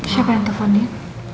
siapa yang telfonnya